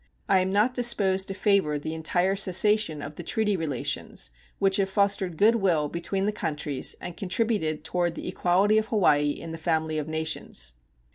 I am not disposed to favor the entire cessation of the treaty relations which have fostered good will between the countries and contributed toward the equality of Hawaii in the family of nations.